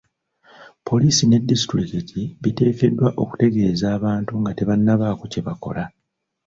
Poliisi ne disitulikiti biteekeddwa okutegeeza abantu nga tebannabaako kye bakolawo.